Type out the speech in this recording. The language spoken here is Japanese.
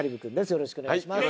よろしくお願いします